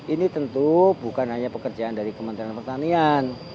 ini tentu bukan hanya pekerjaan dari kementerian pertanian